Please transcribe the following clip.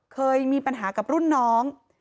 เคยมีปัญหากับรุ่นน้อง